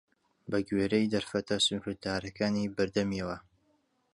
بە گوێرەی دەرفەتە سنووردارەکانی بەردەمیەوە